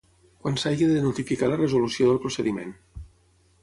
Quan s'hagi de notificar la resolució del procediment.